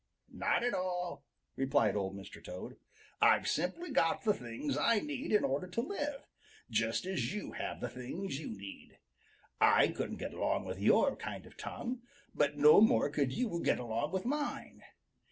"Not at all," replied Old Mr. Toad. "I've simply got the things I need in order to live, just as you have the things you need. I couldn't get along with your kind of a tongue, but no more could you get along with mine.